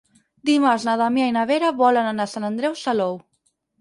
Dimarts na Damià i na Vera volen anar a Sant Andreu Salou.